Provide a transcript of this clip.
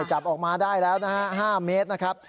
จับออกมาได้แล้วนะฮะ๕เมตรนะครับ